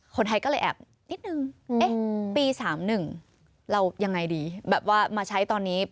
คนไทยก็เลยแอบนิดนึงเอ๊ะปี๓๑เรายังไงดีแบบว่ามาใช้ตอนนี้